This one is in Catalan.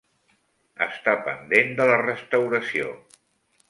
Està pendent de la restauració.